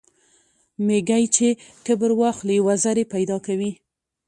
ـ ميږى چې کبر واخلي وزرې پېدا کوي.